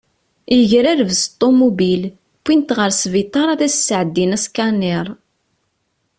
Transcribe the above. Yegrareb s tumubil, wint ɣer sbiṭar ad as-sɛeddin askaniṛ.